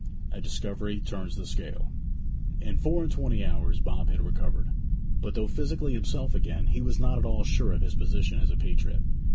A DISCOVERY TURNS THE SCALE In four and twenty hours Bob had recovered. But though physically himself again, he was not at all sure of his position as a patriot.